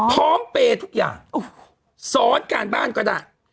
พร้อมเปย์ทุกอย่างโอ้โหสอนการบ้านก็ได้